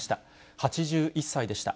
８１歳でした。